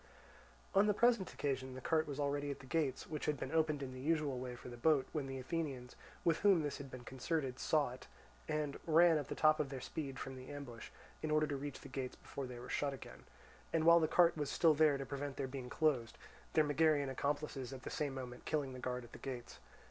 On the present occasion the cart was already at the gates, which had been opened in the usual way for the boat, when the Athenians, with whom this had been concerted, saw it, and ran at the top of their speed from the ambush in order to reach the gates before they were shut again, and while the cart was still there to prevent their being closed; their Megarian accomplices at the same moment killing the guard at the gates.